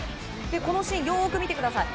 このシーン、よく見てください。